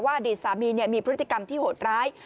อดีตสามีมีพฤติกรรมที่โหดร้าย